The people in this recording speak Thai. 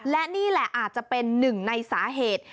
และนี่แหละอาจจะเป็นหนึ่งในสาเหตุ